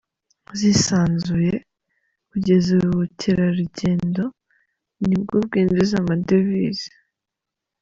zisanzuye. Kugeza ubu ubukerarugendo nibwo bwinjiza amadevize